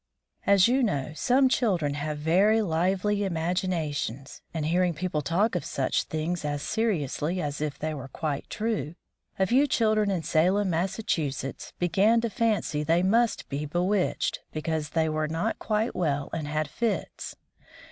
As you know, some children have very lively imaginations, and hearing people talk of such things as seriously as if they were quite true, a few children in Salem, Massachusetts, began to fancy they must be bewitched, because they were not quite well and had fits.